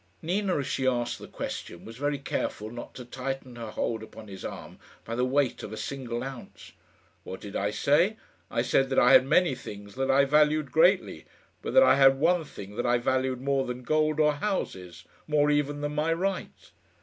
Nina, as she asked the question, was very careful not to tighten her hold upon his arm by the weight of a single ounce. "What did I say? I said that I had many things that I valued greatly, but that I had one thing that I valued more than gold or houses more even than my right."